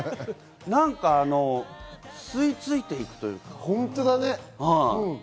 なんか吸いついていくというか。